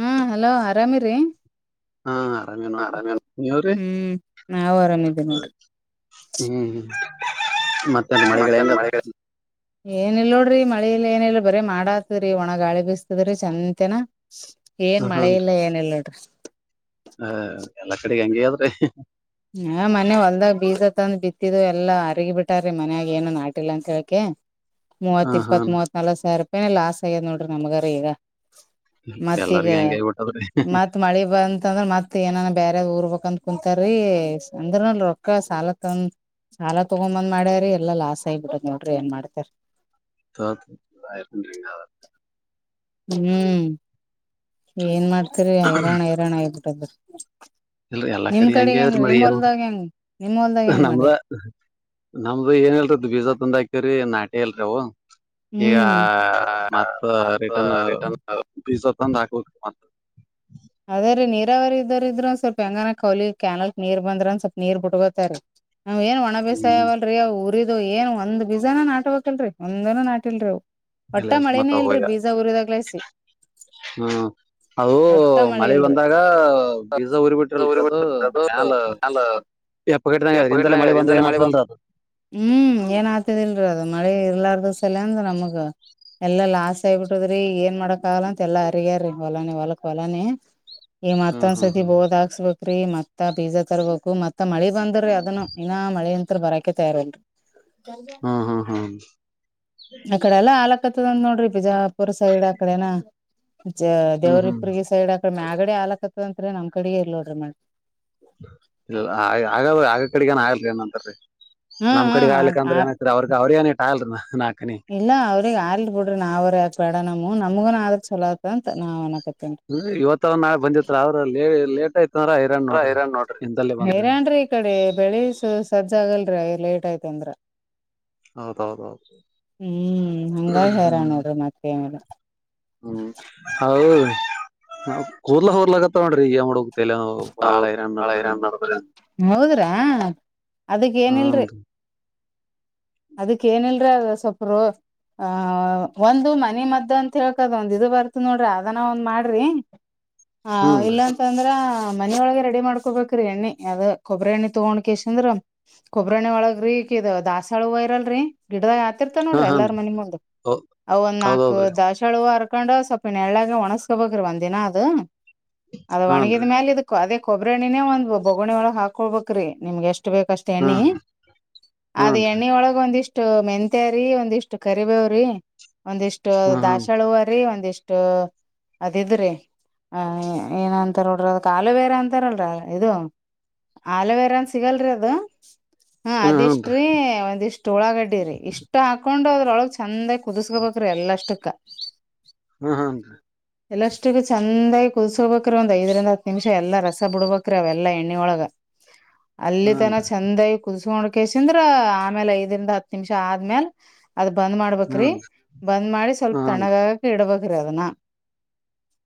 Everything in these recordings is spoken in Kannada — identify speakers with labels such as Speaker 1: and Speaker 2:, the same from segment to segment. Speaker 1: ಹಾ ಹಲೋ ಆರಾಮಿರೀ.
Speaker 2: ಹಾ ಆರಾಮೇ ನೋಡ್ರಿ ನೀವ ರಿ.
Speaker 1: ಹ್ಮ್ ನಾವು ಆರಾಮಿದೀವಿ ನೋಡ್ರಿ
Speaker 2: ಹು ಮತ್ತ
Speaker 1: ಮತ್ತೆನ ಮಳಿ. ಏನಿಲ್ಲ ನೋಡ್ರಿ ಮಳಿಲ್ ಏನ ಇಲ್ ಬರೀ ಮಾಡಾತದ್ರೀ ಒಣ ಗಾಳಿ ಬಿಸತದ್ರೀ ಚಂಜತನಾ.
Speaker 2: ಹಾ
Speaker 1: ಏನ್ ಮಳೆ ಇಲ್ಲಾ ಏನ ಇಲ್ಲೋಡ್ರಿ.
Speaker 2: ಹ ಎಲ್ಲಾ ಕಡೆಗೆ ಹಂಗೆ ಅದರಿ.
Speaker 1: ಹ ಮನೆ ಹೊಲ್ದಾಗ ಬೀಜ ತಂದ ಬಿತ್ತಿದು ಎಲ್ಲಾ ಹರಿಗಿ ಬಿಟ್ಟಾರೀ ಮನ್ಯಾಗ ಏನು ನಾಟಿಲ್ಲ ಅಂತ್ತೆಳಕೆ.
Speaker 2: ಹಾ
Speaker 1: ಮೂವತ್
Speaker 2: ಹಾ
Speaker 1: ಇಪ್ಪತ್ ಮೂವತ್ ನಲವತ್ತ ಸಾವಿರ ರೂಪಾಯಿ ಲಾಸ್ ಆಗ್ಯದ್ ನೋಡ್ರಿ ನಮ್ಮಗರ ಈಗ.
Speaker 2: ಎಲ್ಲಾರ್ಗೆ ಹಂಗೆ ಆಗಬಿಟ್ಟದ್ರೀ.
Speaker 1: ಮತ್ತ ಮಳಿ ಬಂತ ಅಂದ್ರ ಮತ್ತ ಏನ ಬೇರೆ ಊರ್ಬೇಕಂತ ಕುಂತಾರೀ. ಕೇಸ್ ಅಂದ್ರನಲ್ ರೊಕ್ಕ ಸಾಲ ತಂದ. ಸಾಲ ತಗೊಂಬಂದ ಮಾಡ್ಯಾರಿ ಎಲ್ಲ ಲಾಸ ಆಗಿ ಬಿಟ್ಟತಿ ನೋಡ್ರಿ ಏನ್ ಮಾಡತ್ತಿರಿ.
Speaker 2: ತೊತ ವಾಯುವಿಹಾರ.
Speaker 1: ಹು ಏನ ಮಾಡ್ತರಿ ಹೈರಾಣ ಹೈರಾಣ ಆಗ್ಬಿಟ್ಟತ್ರಿ.
Speaker 2: ಇಲ್ರಿ ಎಲ್ಲಾ
Speaker 1: ನಿಮ್ಮ ಕಡೆ
Speaker 2: ಹಂಗೆ ಅದ್ರಿ
Speaker 1: ಹೆಂಗ
Speaker 2: ಮಳಿ
Speaker 1: ನಿಮ್ಮ ಹೊಲ್ದಾಗ ಹೆಂಗ ನಿಮ್ಮ ಹೊಲ್ದಾಗ ಹೆಂಗ ಮಾಡಿರಿ.
Speaker 2: ಹು ನಮ್ದು ಏನಇಲ್ಲಡ್ರಿ ಬೀಜ ತಂದ ಹಾಕ್ಯರಿ ನಾಟೆಲ್ಡ್ರಿ ಅವು. ಈಗ
Speaker 1: ಹ್ಮ್ ಹ
Speaker 2: ಮತ್ತ ರಿಟರ್ನ್ ಬೀಜಾ ತಂದ ಹಾಕ್ಬೇಕ ಮತ್ತ್.
Speaker 1: ಅದೇರೀ ನೀರಾವರಿ ಇದ್ದರ ಇದ್ರ ಸ್ವಲ್ಪ ಹೆಂಗರ ಕೌಲಿ ಕ್ಯಾನಲ್ಕ್ ನೀರ್ ಬಂದ್ರಂದ ಸ್ವಲ್ಪ ನೀರ್ ಬಿಟ್ಕೋತಾರೀ. ಹು ಏನ ಒಣ ಬೇಸಾಯಾ
Speaker 2: ಹ್ಮ್
Speaker 1: ಅವಲ್ರಿ ಊರಿದು ಏನ್ ಒಂದ್ ಬಿಜಾನು ನಾಟಬೇಕಲ್ಡ್ರಿ ಒಂದ ನಾಟಿಲ್ಡ್ರಿ ಅವು.
Speaker 2: ಇಲ್ಲ
Speaker 1: ಒಟ್ಟ
Speaker 2: ಇಲ್ರಿ ಮತ್ತ
Speaker 1: ಮಳೇನ ಇಲ್ಲರಿ ಬೀಜಾ ಊರಿದಾಗ್ಲಾಸಿ.
Speaker 2: ಹ್ಮ ಅದು
Speaker 1: ಒಟ್ಟ
Speaker 2: ಮಳಿ
Speaker 1: ಇಲ್ರಿ
Speaker 2: ಬಂದಾಗ ಬೀಜ ಉರಿ ಬಿಟ್ರಲ್ರಿ ಅದು ಮ್ಯಲ್ ಎಪ್ಪಘಟ ಆಗ್ಯಾದ್ರಿ ಹಿಂದಲೆ ಮಳಿ ಬಂದ್ರ
Speaker 1: ಮಳೆ ಬಂತ
Speaker 2: ಏನತದಲ್ರಿ ಅದ
Speaker 1: ಹ್ಮ್ ಏನ್ ಆತದಿಲ್ರರಿ ಅದ್ ಮಳಿ ಇರ್ಲಾರದ ಸಲ್ಯಾಂದ ನಮಗ ಎಲ್ಲಾ ಲಾಸ್ ಆಗಿ ಬಿಟ್ಟದ್ರಿ ಏನ್ ಮಾಡಕ್ ಆಗಲ್ಲ ಅಂತ ಎಲ್ಲ ಹರಿಗ್ಯಾರೀ ಹೊಲಾನ ಹೊಲಕ್ ಹೊ ಎಲ್ಲನೆ ಈ
Speaker 2: ಹ್ಮ್ ಹ್ಮ್ ಹ್ಮ್
Speaker 1: ಮತ್ತೊಂದ್ಸತಿ ಬೋದಹಾಕ್ ಸ್ಬೇಕ್ರೀ ಮತ್ತ ಪೀಜಾ ತರ್ಬೇಕು ಮತ್ತ ಮಳಿ ಬಂದ್ರೀ ಅದನ್ನು ಇನ ಮಳೆ ಅಂತ ಹತ್ರ ಬರಾಕ್ಕೆ ತಯಾರಿಲ್ರಿ.
Speaker 2: ಹ್ಮ ಹಾ ಹಾ
Speaker 1: ಅಕಡೆಲ್ಲಾ ಆಲಕತ್ತದಂದ್ ನೋಡ್ರಿ ಬಿಜಾಪುರ್ ಸೈಡ್ ಅಕಡೆನಾ. ಜ
Speaker 2: ಹ್ಮ್ ಹ್ಮ್
Speaker 1: ದೇವರಹಿಪ್ಪರಗಿ ಸೈಡ್ ಆಕಡ ಮ್ಯಗಡೆ ಆಲಕತ್ ಅಂತ್ರಿ ನಮ್ ಕಡೆ ಇರ್ಲೋಡ್ರಿ ಮ
Speaker 2: ಇಲ್ಲ ಆ ಆಗಾದ ಆಗ ಕಡಿಗೆನ್ ಆಗ್ಲ್ಲ್ರಿ ಏನಂತರಿ
Speaker 1: ಹ್ಮ್
Speaker 2: ನಮ್ ಕಡಿಗ್
Speaker 1: ಹ್ಮ್ ಆ
Speaker 2: ಆಗ್ಲಿಕಂದ್ರ ಏನ [unintelligible] ಅವರ್ಗ್ ಅವ್ರಿಗನ [unintelligible] ನಾಕ ಹನಿ.
Speaker 1: ಇಲ್ಲ ಅವ್ರಗ್ ಆರ್ಲಿ ಬುಡ್ರಿ ನಾವರ ಯಾಕ್ ಬ್ಯಾಡ ಅನಮ್ಮು ನಮ್ಮುಗುನು ಆದ್ರ ಚಲೋ ಆತದ ಅಂತ ನಾವ್ ಅನ್ಕತ್ತೀನಿರಿ.
Speaker 2: ಇಲ್ರಿ ಇವತ್ತರ ನಾಳೆ ಬಂದಿತ್ ಆದ್ರ ಲೇಟ್ ಆಯಿತಂದ್ರ
Speaker 1: ಹೈರಾಣ್ ನೋಡ್ರಿ ಹೈರಾಣ್ರೀ ಈ ಕಡೆ ಬೆಳಿ ಸ ಸಜ್ಜ ಆಗಲ್ರರಿ ಲೇಟ್ ಆಯಿತ್ ಅಂದ್ರ.
Speaker 2: ಹೌದೌದೌದು
Speaker 1: ಹ್ಮ್ ಹಂಗಾಗಿ ಹೈರಾಣ
Speaker 2: ಹ್ಮ್
Speaker 1: ನೋಡ್ರಿ ಮತ್ತೆನಿಲ್ಲ.
Speaker 2: ಹ್ಮ್ ಹೌದ ಕು ಕೂದಲ ಹೊಲಗತಾವ ನೋಡ್ರಿ ಎನ್ ಮಾಡ್
Speaker 1: ಹೌದ ಭಾಳ ಹೈರಾಣ ನಡದದ್ರಿ ಹೌದ್ರ ಅದಕ್ಕ
Speaker 2: ಹ್ಮ್
Speaker 1: ಏನಿಲ್ರಿ.
Speaker 2: [inaudible]
Speaker 1: ಅದಕ್ಕ ಏನಿಲ್ರ ಅದ ಸೊಪ್ಪೂರು ಆಹ ಒಂದು ಮನಿ ಮದ್ದ ಅಂತ ಹೇಳ್ಕದ ಒಂದ್ ಇದು ಬರ್ತದ ನೋಡ್ರಿ ಅದನ ಒಂದ್ ಮಾಡ್ರಿ.
Speaker 2: [inaudible]
Speaker 1: ಹಾ
Speaker 2: ಹ್ಮ್ ರೀ
Speaker 1: ಇಲ್ಲಂತಂದ್ರ. ಹ ಮನಿ ಒಳಗೆ ರೆಡಿ ಮಾಡ್ಕೊಬೇಕ್ರೀ ಎಣ್ಣಿ ಅದು ಕೊಬ್ಬ್ರೆಣ್ಣೆ ತೊಗೊಂಡ ಕೇಸಿಂದ್ರ. ಕೊಬ್ಬ್ರೆಣ್ಣೆ ಒಳಗ್ರಿ ಕಿದ ದಾಸಾವಾಳ ಹೂವಾ ಇರಲ್ರರಿ. ಗಿಡದಾಗ ಆತಿರ್ತ
Speaker 2: ಹಾ
Speaker 1: ನೋಡ್ರಿ
Speaker 2: ಹಾ
Speaker 1: ಎಲ್ಲಾರ ಮನಿ ಮುಂದ್ ಅವ ಒಂದ್ ನಾಕ್
Speaker 2: ಹೌದೌದ್ರಿ
Speaker 1: ದಾಶಾಳುವ ಹರ್ಕೊಂಡ ಸ್ವ ನೆಳ್ಳಗ ಒಣಸಕೋಬೆಕ್ರಿ ಒಂದಿನ ಅದು ಅದು
Speaker 2: ಹ್ನ್
Speaker 1: ಒಣಗಿದ
Speaker 2: ರೀ
Speaker 1: ಮ್ಯಾಲ ಇದುಕ್ ಕ ಅದೆ ಕೊಬ್ಬ್ರೆಣಿನೆ ಒಂದ್ ಬೊಗೊಣಿ ಒಳಗ ಹಾಕೊಳ್ಬೇಕ್ರಿ ನಿಮಗ್ ಎಸ್ಟ ಬೇಕ್ ಅಸ್ಟ್
Speaker 2: ಹ್ಮ
Speaker 1: ಎಣ್ಣಿ ಅದು
Speaker 2: ಹ್ನ್ ರೀ
Speaker 1: ಎಣ್ಣಿ ಒಳಗ ಒಂದಿಷ್ಟ. ಇಷ್ಟು ಮೆಂತ್ಯಾರಿ ಒಂದಿಷ್ಟು ಕರಿಬೇವ್ರರಿ ಒಂದಿಷ್ಟು
Speaker 2: ಹ್ಮ ಹ್ನ್
Speaker 1: ದಾಶಳುವರಿ ಒಂದಿಷ್ಟ ಟ ಅದ್ ಇದುರಿ ಆ ಏನಂತರ ನೋಡ್ರಿ ಅದಕ್ ಅಲುವೆರಾ ಅಂತರಲ್ರಿ ಇದು ಅಲೋವೆರಾ ಅಂತ ಸಿಗಲ್ರಿ ಅದು ಹಾ
Speaker 2: ಹ್ಮ ಹ್ನ್ ರೀ
Speaker 1: ಅದಿಷ್ಟ್ರೀ ಒಂದಿಷ್ಟ. ಊಳಾಗಡ್ಡಿರಿ ಇಷ್ಟ ಹಾಕೊಂಡು ಅದ್ರೊಳಗ್ ಚಂದಾಗ ಕುದಿಸಕೋಬೇಕ್ರಿ ಎಲ್ಲ ಅಷ್ಟಕ್ಕ
Speaker 2: ಹ್ಮ್ ಹ್ಮನ್ ರೀ
Speaker 1: ಎಲ್ಲಷ್ಟಿಗೂ ಚಂದಾಗಿ ಕುದಸ್ಕೋಬೇಕ್ರೀ ಒಂದ ಐದರಿಂದ ಹತ್ ನಿಮಿಷ ಎಲ್ಲ ರಸ ಬುಡಬೇಕ್ರಿ ಅವೆಲ್ಲಾ ಎಣ್ಣೆ ಒಳಗ.
Speaker 2: [inaudible]
Speaker 1: ಅಲ್ಲಿ ತನ
Speaker 2: ರೀ
Speaker 1: ಚಂದಾಗಿ ಕುದಿಸಕೊಂಡಕೆಸಿಂದ್ರ ಆಮ್ಯಾಲ ಐದರಿಂದ ಹತ್ ನಿಮಿಷ ಆದ್ಮಲ್ ಅದ್ ಬಂದ್ ಮಾಡಬೇಕ್ರಿ
Speaker 2: ಹ್ನ್ ರೀ
Speaker 1: ಬಂದ್ ಮಾಡಿ ಸ್ವಲ್ಪ
Speaker 2: ಹ್ನ್
Speaker 1: ತಣ್ಣಗಾಗಕ ಇಡಬೇಕ್ರಿ ಅದನ್ನ.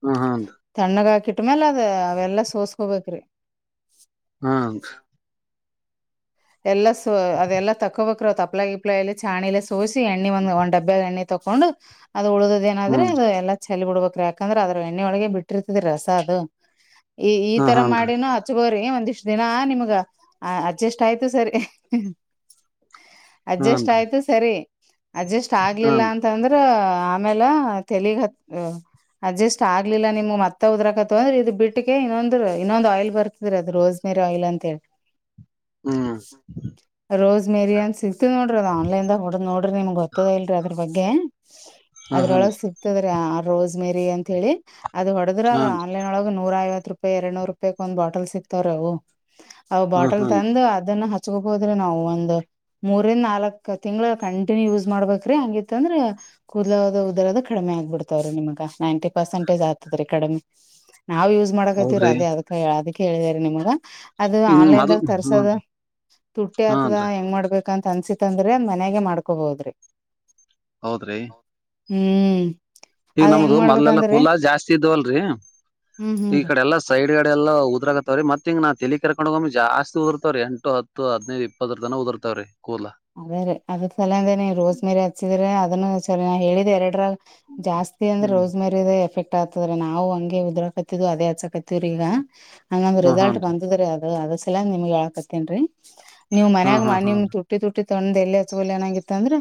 Speaker 2: ಹ್ಮ ಹ್ಮ್ ರಿ
Speaker 1: ತಣ್ಣಗ ಆಗಕ ಇಟ್ ಮ್ಯಾಲ ಅದ ಅವೆಲ್ಲಾ ಸೋಸ್ಕೋಬೇಕ್ರಿ.
Speaker 2: ಹ್ಮ ರಿ
Speaker 1: ಎಲ್ಲ ಸೊ ಅದೆಲ್ಲ ತಕೋಬೇಕ್ರ ತಪ್ಲ ಗಿಪ್ಲ ಎಲಿ ಚಾಣಿಲೆ ಸೊ ಸೋಸಿ ಎಣ್ಣಿ ಒಂದ ಒಂದ್ ಡಬ್ಬ್ಯಾಗ ಎಣ್ಣಿ ತಕೊಂಡು ಅದು ಉಳ್ದದ ಏನಾದ್ರಿ ಅದು
Speaker 2: ಹ್ಮ್
Speaker 1: ಎಲ್ಲ ಚಲಿ ಬಿಡಬೇಕ ಕ್ರ ಯಾಕಂದ್ರೆ ಅದರ ಎಣ್ಣೆ ಒಳಗೆ ಬಿಟ್ಟಿರ್ತದ ರಸ ಅದು ಈ ಈ ತರ
Speaker 2: ಹ್ನ್ ರೀ
Speaker 1: ಮಾಡಿನೂ ಅದ [inaudible] ಹಚೊಗೋರಿ ಒಂದಿಷ್ಟ ದಿನ ನಿಮಗ್ ಅಡ್ಜಸ್ಟ್ ಆಯ್ತು ಸರಿ. [inaudible] ಅಡ್ಜಸ್ಟ್
Speaker 2: ಹಾನ್ರಿ
Speaker 1: ಆಯ್ತು ಸರಿ ಅಡ್ಜಸ್ಟ್ ಆಗಲಿಲ್ಲ
Speaker 2: ಹಾನ್ರಿ
Speaker 1: ಅಂತ ಅಂದರ [inaudible] ಇದು ಆಮೇಲ ತೆಲಿಗ್ ಹತ್ [inaudible] ಅಡ್ಜಸ್ಟ್ ಆಗಲಿಲ್ಲ ನಿಮಗ ಮತ್ತೆ ಉದ್ರಕತವ್ ಅಂದ್ರೆ ಇದು ಬಿಟ್ಟಗೆ ಇನ್ನೊಂದ ಇನ್ನೊಂದು ಆಯಿಲ್ ಬರತ್ತ. [inaudible] ಸರ್ ಅದರ ರೋಸ್ರ್ ಆಯಿಲ್ ಅಂತ ಹೇಳ [inaudible]
Speaker 2: ಹ್ಮ್
Speaker 1: ರೋಸ್ ಮೇರಿಯನ್ ಸಿಸ್ [inaudible] ತಿ ನೋಡರ ಅದ ಆನ್ಲೈನ್ ದಾಗ ಹೊಡದ್ ನೋಡ್ರಿ ನಿಮಗ ಗೊತ್ತದ ಇಲ್ರಿ ಅದರ ಬಗ್ಗೆ
Speaker 2: ಹಾ ಹಾನ್ರಿ
Speaker 1: ಅದ್ರೊಳಗೆ ಸಿ [inaudible] ತದ್ರ ಆ ರೋಜ್ ಮೇರಿ ಅಂತ ಹೇಳಿ. ಅದು ಹೊಡದ್ರ ಒನ್ [inaudible]
Speaker 2: ಹಾನ್ರಿ
Speaker 1: ಆನ್ಲೈನ್ ಒಳಗ ನೂರ ಐವತ್ತ ರೂಪಾಯಿ ಎರಡ್ ನೂರು ರೂಪಾಯಕ್ಕ ಒಂದ ಬಾಟಲ್ ಸಿಕ್ತವ್ರ ಅವು. ಅವು
Speaker 2: ಹಾ
Speaker 1: ಬಾಟಲ್ [inaudible]
Speaker 2: ಹಾನ್ರಿ
Speaker 1: ಒಂದ ಅದನು ಹಚ್ಕೋಬೋದ್ರಿ ನಾವು ಒಂದ [inaudible] ಮೂರಿಂದ ನಾಲ್ಕ ತಿಂಗಳ ಕಂಟಿನ್ಯೂ ಯೂಸ್ ಮಾಡಬೇಕ್ರಿ ಹಂಗಿತ್ತ ಅಂದ್ರ [inaudible] ಕೂದಲೋದ ಉದರದ ಕಡಿಮೆ ಆಗಬಿಡ್ತಾವ್ರೀ ನಿಮಗ ನೈಂಟಿ ಪರ್ಸೆಂಟೇಜ್ ಆಗ್ತದ ರೀ ಕಡಿಮೆ. [inaudible] ನಾವು ಯೂಜ್ ಮಾಡಕತ್ತೀವ್ರಿ
Speaker 2: ಹೌದ್ರಿ
Speaker 1: ಅದೇ ಅದ ಅದಕ ಹೇಳಿದರಿ ನಿಮಗ ಅದು
Speaker 2: ಈಗ
Speaker 1: ಆನ್ಲೈನ್
Speaker 2: ಮೊದ್ಲ್
Speaker 1: ದಾಗ [inaudible] ಸದ
Speaker 2: ಹ್ಮ್
Speaker 1: ತುಟ್ಟಿ ಆತದ
Speaker 2: ಹಾನ್ರಿ
Speaker 1: ಹೆಂಗ್ ಮಾಡಬೇಕ ಕಂತ ಅನ್ಸಿತ್ ಅಂದ್ರೆ ಮನ್ಯಾಗ ಮಾಡಕೋಬೋದರಿ. [inaudible]
Speaker 2: ಹೌದರಿ. [inaudible]
Speaker 1: ಹೂ [inaudible]
Speaker 2: ಈಗ ನಮ್ದು ಮೊದಲೆಲ್ಲಾ ಕೂದಲಾ ಜಾಸ್ತಿ ಇದ್ವಲ್ರಿ.
Speaker 1: ಹ್ಮ್
Speaker 2: ಈ
Speaker 1: ಹ್ಮ್ ರೀ
Speaker 2: ಕಡೆ ಎಲ್ಲಾ [inaudible] ಸೈಡ್ ಗಡೆ ಎಲ್ಲಾ ಉದರಾಕತವರಿ ಮತ್ತ ಹಿಂಗ್ ನಾ ತೆಲಿ ಕೆರ್ಕೊಂಡಗ ಒಮ್ಮಿ ಜಾಸ್ತಿ ಉದುರತಾವ ರಿ ಎಂಟು, ಹತ್ತ [inaudible] ತ್ತು ಹದ್ನೈದು ಇಪ್ಪತ್ತರ ತನ ಉದರ್ತಾವವ್ರೀ ಕೂದ್ಲಾ? [inaudible]
Speaker 1: ಅದೇ ರೀ ಅದರ ಸಲಗೆನೆ ರೋಸ್ ಮೇರಿ ಹಚ್ಚಿದ್ರ ಅದನ್ನು ಸ ನಾ ಹೇಳಿದ್ದ ಎರಡರಾಗ [inaudible] ಜಾಸ್ತಿ ಅಂದ್ರ
Speaker 2: ಹ್ಮ್
Speaker 1: ರೋಸ್ ಮೇರಿ? [inaudible] ಎಫೆಕ್ಟ್ ಆಗ್ತದ್ರಿ ನಾವು ಹಂಗೆ ಉದ್ರಾಕತ್ತಿದವು ಅದೇ ಹಚ್ಚಕತ್ತವ್ರಿ ಈಗ. [inaudible] ಹಂಗಂದ
Speaker 2: ಹಾ
Speaker 1: ರಿಸಲ್ಟ್
Speaker 2: ಹಾನ್ರಿ
Speaker 1: ಬಂದದ್ರೀ ಅದು ಅದರ್ ಸಲವಾಗಿ ನಿಮಗ ಹೇಳಕತ್ತಿನೀ ರೀ ನೀವ್
Speaker 2: ಹಾ
Speaker 1: ಮನ್ಯಾಗ
Speaker 2: ಹಾ ಹಾ
Speaker 1: ನಿಮ [inaudible] ತುಟ್ಟಿ ತುಟ್ಟಿ ತಂದು ಎಲ್ಲಿ ಹಚ್ಚಗಲ್ ಅನಂಗಿತ್ತ ಅಂದ್ರ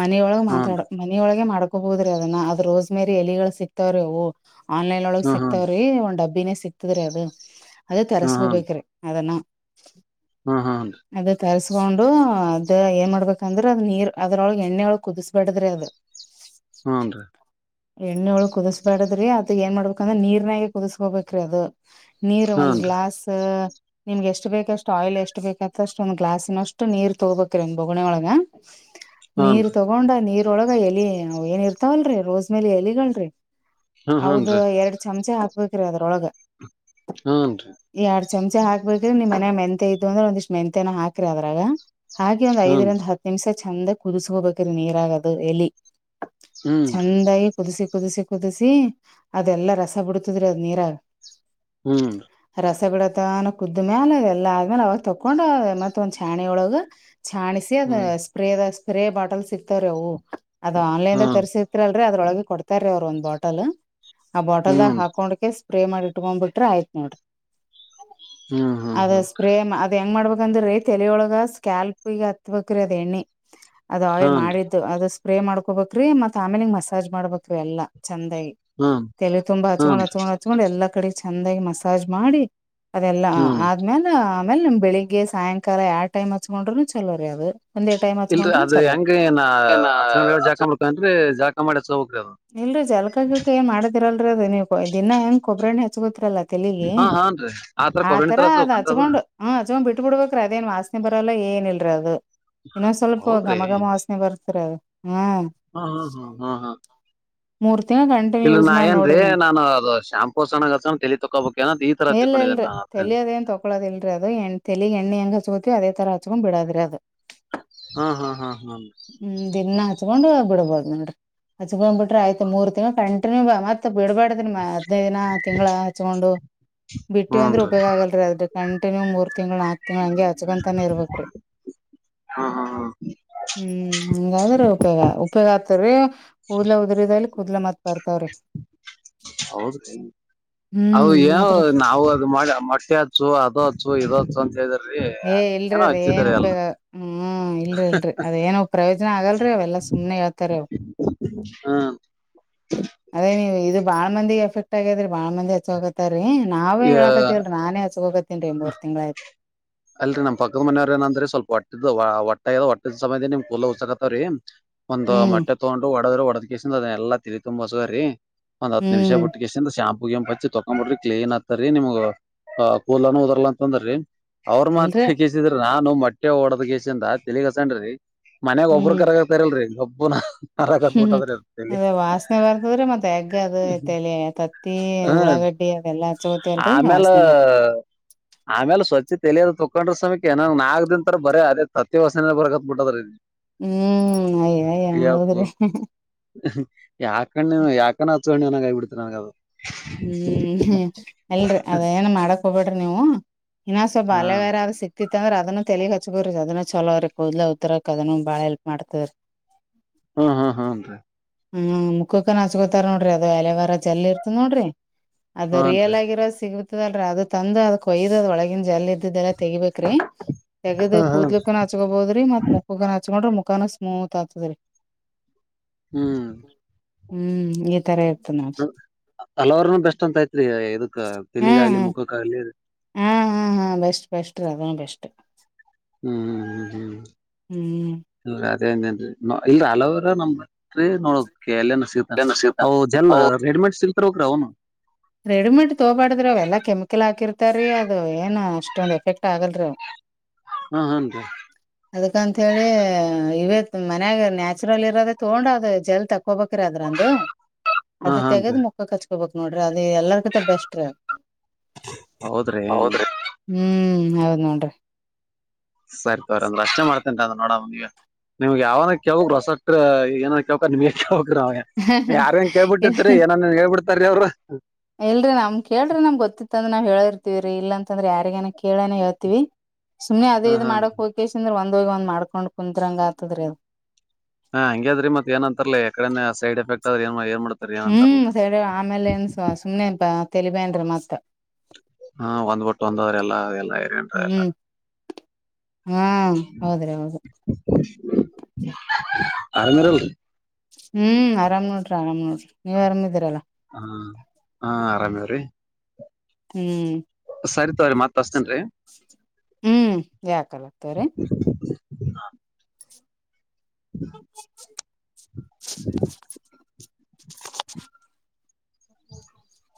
Speaker 1: ಮನಿಯೊಳಗೆ ಮಾತಾಡ.
Speaker 2: ಹಾನ್ರಿ
Speaker 1: [inaudible] ಮನಿ ಒಳಗ್ ಮಾಡ್ಕೋಬೋದ್ರಿ ಅದನ್ನ ಅದ್ ರೋಸ್ ಮರಿ ಎಲಿಗಳು ಸಿಕ್ [inaudible] ಸಿಗ್ತವರಿ ಅವು ಆನ್ಲೈನ್ ಒಳಗ್
Speaker 2: ಹಾ ಹಾನ್ರಿ
Speaker 1: ಸಿಕ್ತಾವರಿ ಒಂದ್ ಡಬ್ಬಿನೇ ಸಿಕ್ತದ್ರಿ ಅದು [inaudible] ಅದೇ
Speaker 2: ಹಾ
Speaker 1: ತರಸ್ಕೋಬೇಕ್ರಿ ಅದನ್ನ [inaudible]
Speaker 2: ಹ ಹ [inaudible]
Speaker 1: ಅದ ತರ್ಸ್ಕೊಂಡು ಅದ್ ಏನ್ ಮಾಡಬೇಕ ಅಂದರ್ ಅದ ನೀರ್ ಅದ್ರೊಳಗೆ ಎಣ್ಣೆ ಒಳ ಕುದಸಬೇಡದ್ರಿ ಅದ [inaudible]
Speaker 2: ಹೂನ್ ರೀ. [inaudible]
Speaker 1: ಎಣ್ಣೆ ಒಳಗ್ ಕುದಿಸಬ್ಯಾಡದ್ರಿ ಅದ ಏನ್ ಮಾಡಬೇಕಂದ್ರೆ ನೀರ್ನಾಗ ಕುದಿಸ್ಕೋಬೇಕ್ರಿ ಅದು. [inaudible] ನೀರು ಒಂದು
Speaker 2: ಹಾನ್ರಿ
Speaker 1: ಗ್ಲಾಸ? [inaudible] ನಿಮಗ ಎಷ್ಟ ಬೇಕಷ್ಟು ಆಯಿಲ್ ಎಷ್ಟು ಬೇಕತ್ತಷ್ಟ ಒಂದ್ ಗ್ಲಾಸನ ಅಷ್ಟು ನೀರ್ ತೊಗೋಬೇಕ್ರಿ ಒಂದ್ ಬೊಗಣಿ ಒಳಗ [inaudible] ನೀರ್
Speaker 2: ಹಾನ್ರಿ
Speaker 1: ತಗೊಂಡ ನೀರೊಳಗ ಎಲಿ ಅವ ಏನ್ ಇರ್ತಾವಲ್ರೀ ರೋಜ್ [inaudible] ಆ ಮೇಲೆ ಎಲಿಗಳ್ರಿ,
Speaker 2: ಹಾ
Speaker 1: ಹೌದ
Speaker 2: ಹಾನ್ರಿ
Speaker 1: ಎರಡ್ ಚಮಚೆ ಹಾಕಬೇಕಕ್ರೀ ಅದ್ರೊಳಗ. [inaudible]
Speaker 2: ಹುನ್ನರಿ. [inaudible]
Speaker 1: ಈ ಎರಡ್ ಚಮಚೆ ಹಾಕಬೆಕಂದರ್ ನಿಮ್ಮ ಮನ್ಯಾಗ್ ಮೆಂತೆ ಇದ್ವಂದ್ರ ಒಂದಿಷ್ಟ ಮೆಂತೆನಾ ಹಾಕ್ರಿ ಅದ್ರಾಗ. [inaudible] ಹಾಕಿ ಒಂದ್
Speaker 2: ಹಾನ್ರಿ
Speaker 1: ಐದರಿಂದ ಹತ್ತು ನಿಮಿಷ ಚಂದ ಕುದಿಸಕೋಬೇಕರಿ ನೀರಾಗ ಅದು ಎಲಿ. [inaudible]
Speaker 2: ಹೂನ್ರಿ. [inaudible]
Speaker 1: ಚಂದಾಗಿ ಕುದಿಸಿ ಕುದಿಸಿ ಕುದಿಸಿ, ಅದೆಲ್ಲಾ ರಸ ಬಿಡ್ತದರಿ ಅದ್ ನೀರಾಗ? [inaudible]
Speaker 2: ಹ್ಮ್ರಿ
Speaker 1: [inaudible] ರಸ ಬಿಡತಾನ ಕುದ್ದ ಮ್ಯಾಲ ಎಲ್ಲಾ ಆದ್ಮೇಲೆ ಅವಾಗ ತೊಕೊಂಡ ಮತ್ತ ಒಂದ್ ಚಾಣಿ ಒಳಗ [inaudible] ಚಾಣಿಸಿ ಅದ
Speaker 2: ಹ್ಮ್ ಹ್ಮ್
Speaker 1: ಸ್ಪ್ರೇದ ಸ್ಪ್ರೇ ಬಾಟಲ್ ಸಿಕ್ತವ್ರೀ ಅವು ಅದ
Speaker 2: ಹಾ
Speaker 1: ಆನ್ಲೈನದಾಗ ತರ್ಸಿ [inaudible] ಅಂದರ್ ಅದ್ರೊಳಗೆ ಕೊಡ್ತಾ ರೀ ಅವ್ರು ಒಂದ ಬಾಟಲ್ ಆ ಬಾಟಲ್ದಾಗ
Speaker 2: ಹ್ಮ್
Speaker 1: ಹಾಕೊಂಡ ಕ್ಯಾಸಿ. [inaudible] ಸ್ಪ್ರೇ ಮಾಡಿ ಇಟಗೊಂಡ ಬಿಟ್ರ ಆಯ್ತ್ ನೋಡ್ರಿ
Speaker 2: ಹ್ಮ್ ಹ್ಮ್
Speaker 1: ಅದ
Speaker 2: ಹ್ಮ್
Speaker 1: ಸ್ಪ್ರೇ ಅದ್ ಹೆಂಗ್ ಮಾಡ್ಬೇಕಂದ್ರೆ ರೀ, ತೆಲಿ ಒಳಗ ಸ್ಕ್ಯಾಲ್ಪಿಂಗ್ ಹತ್ಬೇಕ್ರಿ ಅದ ಎಣ್ಣಿ ಅದ ಆಯಿಲ್
Speaker 2: ಹಾನ್ರಿ
Speaker 1: ಮಾಡಿದ್. ಅದು ಸ್ಪ್ರೇ ಮಾಡ್ಕೋಬೇಕ್ರೀ ಮತ್ ಆಮೇಲೆ ಹಿಂಗ್ ಮಸಾಜ್ ಮಾಡ್ಬೇಕ್ರೀ ಎಲ್ಲಾ ಚೆಂದಾಗಿ.
Speaker 2: ಹಾ
Speaker 1: ತೆಲೆ ತುಂಬಾ
Speaker 2: ಹ್ಮ್
Speaker 1: ಹಚ್ಕೊಂಡ್ ಹಚ್ಕೊಂಡ್ ಹಚ್ಕೊಂಡ್ ಎಲ್ಲಾ ಕಡೆ ಚೆಂದಾಗಿ ಮಸಾಜ್ ಮಾಡಿ. ಅದೆಲ್ಲಾ
Speaker 2: ಹ್ಮ್
Speaker 1: ಆದ ಆಮ್ಯಾಲ ಆಮ್ಯಾಲ ಬೆಳಿಗ್ಗೆ ಸಾಯಂಕಾಲ ಯಾಡ್ ಟೈಮ್ ಹಚ್ಕೊಂಡ್ರುನು ಚಲೋ ರೀ ಅದು. ಒಂದೇ ಟೈಮ್
Speaker 2: ಇಲ್ರಿ
Speaker 1: ಹಚ್ಕೊಂಡ್ರುನು
Speaker 2: ಅದ್
Speaker 1: ಚಲೋ
Speaker 2: ಹೆಂಗ ಏನಾ ಹಚ್ಗಂದ್ ಬಳಿಕ ಜಳಕ ಮಾಡಬೇಕೇನ್ರಿ, ಜಳಕ ಮಾಡಿ ಹಚ್ಕೋಬೇಕ್ರಿ ಅದನ್ನ.
Speaker 1: ಇಲ್ರೀ ಜಳಕಾ ಗಿಳಕಾ ಏನ್ ಮಾಡದಿರಲ್ರಿ. ಅದು ನೀವು ದಿನ್ ಹೆಂಗ್ ಕೊಬ್ರಿ ಎಣ್ಣೆ ಹಚ್ಕೊತಿರಲ್ಲಾ ತೆಲಿಗೆ
Speaker 2: ಹಾ ಹಾನ್ರಿ ಕೊಬ್ರಣ್ಣಿ
Speaker 1: ಆತರ
Speaker 2: ತರ
Speaker 1: ಅದ
Speaker 2: ಹಚ್ಕೋಬೇಕನ್ರಿ ಅದು
Speaker 1: ಹಚ್ಗೊಂಡು. ಹ್ಮ ಹಚ್ಕೋಮ್ ಬಿಟ್ ಬಿಡ್ಬೇರೀ ಅದೇನ್ ವಾಸನೆ ಬರಲ್ಲ ಏನಿಲ್ರಿ ಅದು. ಇನ್ನ ಸ್ವಲ್ಪ
Speaker 2: ಹೌದ್ರಿ
Speaker 1: ಘಮಘಮ ವಾಸ ಬರ್ತರ ಹಾ
Speaker 2: ಹಾ ಹಾ ಹಾ ಹಾ ಹಾ.
Speaker 1: ಮೂರ ತಿಂಗಳ [inaudible]
Speaker 2: ಇಲ್ಲ ನಾ
Speaker 1: ಮಾಡಿ
Speaker 2: ಏನ್ರಿ
Speaker 1: ನೋಡ್ರಿ ನೀವ್
Speaker 2: ನಾನು ಅದು ಶಾಂಪೂ ಸಣ ತೆಲಿ ತೊಕೋಬೇಕೇ ಏನ್ ಈ ತರಾ ತಿಕೊಂಡಿದೇ ನಾ
Speaker 1: ತೊಳೋಕದಿಲ್ರಿ ಅದು ಎಣ್ಣಿ ತೆಲಿಗ್ ಎಣ್ಣಿ ಹೆಂಗ ಹಚ್ಕೋತೀವಿ ಅದೇ ತರ ಹಚ್ಕೊಂಡ್ ಬಿಡೋದ್ರೀ ಅದ
Speaker 2: ಹಾ ಹಾ ಹಾ
Speaker 1: ಹುಂ ದಿನ ಹಚ್ಕೊಂಡ್ ಬಿಡಬೋದ್ ನೋಡ್ರಿ ಹಚ್ಕೊಂಡ್ ಬಿಡ್ರ ಆಯ್ತತ್ ಮೂರ್ ತಿಂಗಳು ಕಂಟಿನ್ಯೂವ ಮತ್ತ ಬಿಡ್ ಬಾಡ ದ ಹದನೈದು ದಿನ ತಿಂಗಳ ಹಚ್ಕೊಂಡು ಬಿಟ್ಟಿವ ಅಂದ್ರೆ
Speaker 2: ಹೂನ್ರಿ
Speaker 1: ಉಪಯೋಗ ಆಗಲ್ರಿ ಅದ ಕಂಟಿನ್ಯೂ ಮೂರ್ ತಿಂಗಳು ನಾಕ ತಿಂಗಳು ಹಂಗೆ ಹಚ್ಕೊಂತಾನೇ ಇರ್ಬೇಕ್ರೀ
Speaker 2: ಹಾ ಹಾ ಹಾ
Speaker 1: ಹ್ಮ್ ಹಂಗಾದ್ರೆ ಉಪಯೋಗ ಉಪಯೋಗ ಆತಾರೀ ಕೂದ್ಲ ಉದ್ರಿದಲಿ ಕೂದ್ಲ ಮತ್ತ ಬರ್ತಾವ್ ರೀ
Speaker 2: ಹೌದು [unintelligible]
Speaker 1: ಅದ್ರ
Speaker 2: ನಾವು ಅದು ಮಾಡಿ ಮೊಟ್ಟೆ ಹಚ್ಚು ಅದು ಹಚ್ಚು ಇದು ಹಚ್ಚು ಅಂತ ಹೇಳಿದ್ರೆ
Speaker 1: ಏ ಇಲ್ರರಿ ಅದ ಏನ್ ಉಪಯೋಗ ಹ್ಮ್ ಇಲ್ರಿ ಇಲ್ರರಿ ಅದೇಏನು ಪ್ರಯೋಜನ ಆಗಲ್ರರಿ ಅವೆಲ್ಲ ಸುಳ ಸುಮ್ನೆ ಹೇಳ್ತಾರೆ ಅವರ
Speaker 2: ಹಾ
Speaker 1: ಅದೇ ನೀವು ಇದು ಬಾಳ ಮಂದಿ ಎಫೆಕ್ಟ್ ಆಗಿದ್ರೆ ಬಾಳ ಮಂದಿ ಹಚ್ಚೋಗೊಳ ರಿ ನಾವೇ ಹೇಳಕತಿವಲ್ರಿ ನಾನೇ ಹ ಹಚ್ಕೊಳ್ಳಾಕತ್ತೀನ್ರೀ ಮೂರ್ ತಿಂಗಳ ಆಯ್ತ
Speaker 2: ಅಲ್ರಿ ನಮ್ಮ ಪಕ್ಕದ ಮನೆಯವರ ಏನಂದ್ರೀ ಸ್ವಲ್ಪ ಹೊಟ್ಟಿದ್ದ್ ಒಟ್ಟೆದ ಹೊಟ್ಟದ್ ಸಲವಾಗಿಯೇ ನಿಮ್ ಕೂದಲ ಹುಚಾಕತಾವ್ರೀ ಒಂದು
Speaker 1: ಹ್ಮ್
Speaker 2: ಮೊಟ್ಟೆ ತೊಗೊಂಡು ಒಡದ್ರ ಒಡದ್ ಕೆಸದ್ ಅದನ್ನ ಎಲ್ಲಾ ತೇಲಿ ತುಂಬ ಹಚ್ಚಕೋರಿ ಒಂದ್ ಹತ್ ನಿಮಿಷ
Speaker 1: ಹ್ಮ್
Speaker 2: ಬಿಟ್ಟಕೇಸಿಂದ ಶಾಂಪು ಗಿಂಪು ಹಚ್ಚಿ ತಕೋಂಡ ಬಿಡರಿ ಕ್ಲೀನ್ ಆಗ್ತರಿ ನಿಮ್ಗ್ ಕುದಲ ಉದ್ರಲ್ಲಂತಂದ್ರ ಅವ್ರ ಮಾತ
Speaker 1: ಎಲ್ರಿ
Speaker 2: ಕೇಳಿ ಕೆಸಿಂದ ನಾನು ಮೊಟ್ಟೆ ಒಡೆದ ಕೆಸಿಂದ ತೆಲಿಗೆ ಹಚ್ಚಿಕೊಂಡರ ರೀ ಮನ್ಯಾಗ ಒಬ್ಬ್ರ
Speaker 1: ಹ್ಮ್
Speaker 2: ಕರಗ ರಲ್ರಿ ಗಬ್ಬ ನಾತ ಬರಾಕ್
Speaker 1: ಹ್ಮ್
Speaker 2: ಬಿಟ್ಟದ್ರೀ
Speaker 1: ಅದ ವಾಸನೆ ಬರ್ತದ್ರಿ ಮತ್ತೆ ಎಗ್ಗ ಅದು ತಲಿ ತತ್ತಿ
Speaker 2: ಹ್ಮ
Speaker 1: ಉಳ್ಳಾಗಡ್ಡಿ ಅದೆಲ್ಲಾ ಹಚ್ಚಕೊಂಡ ತಿಂದ್ರಿ ವಾಸ್ನೆ ಬರ್ತ
Speaker 2: ಆಮೇಲೆ ಸ್ವಚ್ಛ ತೆಲಿಯದ ತೊಳಕೊಡ್ರ್ ಸಮ್ಯಕ್ ಏನಂಗ ನಾಕ್ ದನ್ ತರ ಬರ ಅದೇ ತತ್ತಿ ವಾಸನೆಯೇ ಬರ್ಕತ್ ಬಿಟ್ಟದರೀ
Speaker 1: ಹ್ಮ್ ಅಯ ಹೌದ್ರಿ
Speaker 2: ಯಾಕಣ್ಣ ಯಾಕ ಹಚಕೋಣ್ಣನಾಗ ಆಗಬಿಡ್ತರಿ ನನಗ ಅದು
Speaker 1: ಹುಂ ಅಲ್ರಿ ಅದೇ ಏನ್ ಮಾಡಕ್ ಹೋಗ್ಬೇಡ್ರಿ ನೀವು ಇನ್ನ ಸ್ವಲ್
Speaker 2: ಹಾ
Speaker 1: ಅಲೊವೇರಾದ್ರರು ಸಿತ ತಿತ್ತಂದ್ರ ಅದನ್ನ ತೆಲಿಗ್ ಹಚ್ಚಕೊರಿ ಅದ ಚಲೋ ರೀ ಕೂದಲು ಉದುರಾಕ ಅದನು ಬಾಳ ಹೆಲ್ಪ್ ಮಾಡತದರಿ
Speaker 2: ಹಾ ಹಾ
Speaker 1: ಹ್ಮ್ ಮುಖಕ್ಕನ್ ಹಚ್ಕೋತಾರ ನೋಡ್ರಿ ಅದು ಅಲೆವಾರ ಚೆಲ್ ಇರ್ತ ನೋಡ್ರಿ. ಅದು
Speaker 2: ಹ್ನ್
Speaker 1: ರಿಯಲ್
Speaker 2: ರೀ
Speaker 1: ಆಗಿರೋದು ಸಿ. ಇತದಲ್ರರಿ ಅದು ತಂದು ಅದಕ್ ಕೊಯ್ದು ಅದ್ ಒಳಗಿನನ್ ಜಲ್ ಇದ್ದ್ ಎಲ್ಲ ತೆಗಿಬೇಕೇರಿ. ತಗದ
Speaker 2: ಹ್ಮ್ ಹ್ಮ್
Speaker 1: ಕೂದ್ಲುಕ್ಕನ ಹಚ್ಕೋಬಹದ್ರಿ ಮತ್ ಮುಖಕ್ಕ ಹಚ್ಕೊಂಡ್ರಿ ಮುಖನ ಸ್ಮೂತ್ ಆತದ್ರರಿ.
Speaker 2: ಹ್ಮ್-
Speaker 1: ಹ್ಮ್ ಈ ತರ ಇರ್ತ ನಾ.
Speaker 2: ಹಲವರ್ನು ಬೆಸ್ಟ್ ಅಂತ ಐತ್ರಿ ಇದಕ್ ತಿಲಿಗ ಆಗ್ಲಿ ಮುಖಕ್ಕ ಆಾಗಗ್ಲಿ.
Speaker 1: ಹ್ಮ್ ಹ್ಮ್ ಹಾ ಬೆಸ್ಟ್ ಬೆಸ್ಟ್ ಅದೇ ಬೆಸ್ಟ್.
Speaker 2: ಹ್ಮ್ ಹ್ಮ್ ಹ್ಮ್ ಹ್ಮ್-
Speaker 1: ಹ್ಮ್-
Speaker 2: ಹ ಅದೇೇನ್ರಿ ಇಲ್ ಹಲವರ ನಮ್ರಿ ನೋಡ ಎ ಸಿ. ಅ ಜಲ್ ರೆಡಿಮೇಡ್ ಸಿಕ್ತಿರ ಬೇಕರಿ ಅವನು.
Speaker 1: ರೆಡಿಮೇಡ್ ತಗಬಾಡ್ದ್ರಿ ಅವೆಲ್ಲಾ ಕೆಮಿಕಲ್ ಹಾಕಿರ್ತಾರೀ ಅದು ಏನು ಅಷ್ಟೊಂದ ಎಫೆಕ್ಟ್ ಆಗಲ್ರಿ.
Speaker 2: ಹಾ ಹನ್ರೀ.
Speaker 1: ಅದಕಂತ ಹೇಳಿ ಇ ವೇ ಮನ್ಯಾಗ ನ್ಯಾಚುರಲ್ ಇರೋದ ತಗೊಂಡದ ಜಲ್ ತಕೊಬೇಕಿರ ಅದ್ರಂದು.
Speaker 2: [unintelligible]
Speaker 1: ಅದ
Speaker 2: ಹಾನ್ರಿ.
Speaker 1: ತೆಗೆದ್ ಮುಖಕ್ ಹಚ್ಕೋಬೇಕಕ್ ನೋಡ್ರಿ ಅದ ಎಲ್ಲರ ಕತೆ ಬೆಸ್ಟ್.
Speaker 2: ಹೌದ್ರಿ
Speaker 1: ಹೌದಿ ಹ್ಮ್ ಹ ನೋನ್್ರರಿ.
Speaker 2: ಸರಿ ತವ್ರ ಅಂದ್ರ ಅಷ್ಟೇ ಮಾಡ್ತೇನ್ ಅಂದ ನೋಡನಗ ನಿಮ್ಗೆ ಯಾವನ ಯಾವ ರಸಕ್ ಏನ. ಕ ನಿಮ್ಕಾವ ಯಾರ ಂಗನ್ ಕೇಳ್ಬಿಟ್ಟಿರ್ತರಿ ಏನನ್ನ್ ಹೇಳ್ಬಿಡ್ತಾರೀ ಅವ್ರು.
Speaker 1: ಇಲ್ರಿ ನಮ್ ಕೇಳ್ರಿ ನಮ್ ಗೊತ್ತ ಅಂದ್ರ ನಾವ್ ಹೇಳಿರ್ತಿವಿ್ರರಿ ಇ ಅಂದ್ರೆ ಯಾರಿಗೇನ ಕೇಳೇನ ಹೇಳ್ತಿೀವಿ. ಸುಮನೆ
Speaker 2: ಹಾ
Speaker 1: ಅದೇದು
Speaker 2: ಹಾ.
Speaker 1: ಮಾಡಕ್ ಹೋಗೇಶ ಅ್ರೆ ಒಂದ ಹೋಗಿ ಒಂದ್ ಮಾಡ್ಕೊಂಡ್ ಕುತ್ರಂಗ ಆತದ್ರೀ ಅದು.
Speaker 2: ಹಾ ಹಂಗ ಅದ್ರ ಮತ್ ಏ ಅಂತರ್ಲ್ಲ ಎಡೇ ಸೈಡ್ ಎಫೆಕ್ ಆದ್ರ ಏನ್ ಮಾಡ.
Speaker 1: ಹ್ಮ್ ಸ ಆಮೇಲೆ ಏನ್ ಸುಮನೆನ್ಪ ತಲಿಬೇನ್ರಿ ಮತ್ತ.
Speaker 2: ಹಾ ಒಂದ್ಬಟ್ಟು ಒಂದವ್ರ ಎಲ್ಲಾಲ್ಲಾ ಏರಿನ್್ರ ಎಲ್ಲ.
Speaker 1: ಹ್ಮ್ ಹಾ ಹೌದ್ರಿ ಹೌದು
Speaker 2: ಆರಮರ.
Speaker 1: ಹ್ಮ್ ಆರಾಮ್ ನೋಡ್ರಿ ಆರಾಮ್ ನೋಡ್ರಿ ನೀವ್ರಾಮಿದಿ್ರಲ್ಲಾ.
Speaker 2: ಹಾ ಹಾ ಆರಾಮ್ಯವ್ರಿ.
Speaker 1: ಹ್ಮ-
Speaker 2: ಸರಿ ತವ್ರರಿತ್ ತಾಸ್ತೇನ್ೀ.
Speaker 1: ಹ್ಮ್ ಯಾಕಲ ಆತವ್ರೀ. [unintelligible]
Speaker 2: [unintelligible]
Speaker 1: [inaudible]